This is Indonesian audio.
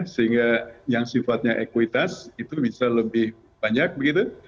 sehingga yang sifatnya ekuitas itu bisa lebih banyak begitu